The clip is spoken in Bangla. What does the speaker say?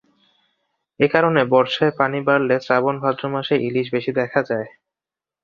এ কারণে বর্ষায় পানি বাড়লে শ্রাবণ ভাদ্র মাসে ইলিশ বেশি দেখা যায়।